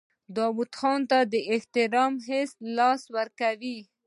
دوی ځان ته د احترام حس له لاسه ورکوي.